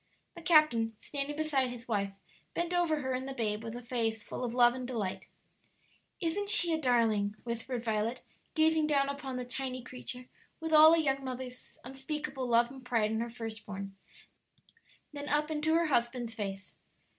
The captain, standing beside his wife, bent over her and the babe with a face full of love and delight. "Isn't she a darling?" whispered Violet, gazing down upon the tiny creature with all a young mother's unspeakable love and pride in her first born, then up into her husband's face.